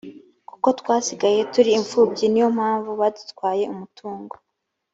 kuko twasigaye turi imfubyi niyo mpanvu badutwaye umutungo